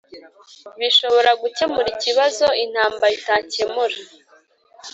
bishora gukemura ikibazo intambara itakemura."